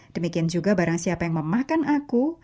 demikian juga barang siapa yang memakan aku